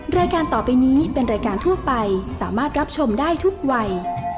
รายการต่อไปนี้เป็นรายการทั่วไปสามารถรับชมได้ทุกวัย